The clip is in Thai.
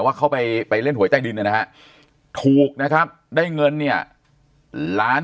ว่าเขาไปเล่นหวยใต้ดินเนี่ยนะฮะถูกนะครับได้เงินเนี่ยล้าน